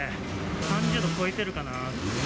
３０度超えてるかな。